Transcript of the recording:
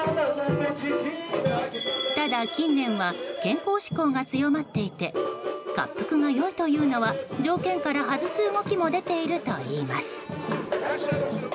ただ、近年は健康志向が強まっていてかっぷくが良いというのは条件から外す動きも出ているといいます。